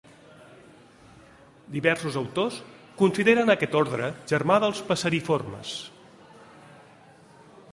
Diversos autors consideren aquest ordre germà dels passeriformes.